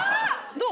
どう？